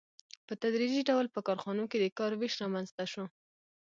په تدریجي ډول په کارخانو کې د کار وېش رامنځته شو